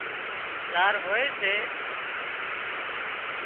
زاز هوئي سي